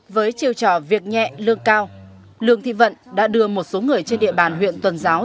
với chiều trò việc nhẹ lương cao lương thị vận đã đưa một số người trên địa bàn huyện tuần giáo